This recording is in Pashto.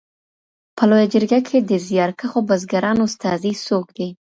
په لویه جرګه کي د زیارکښو بزګرانو استازي څوک دي؟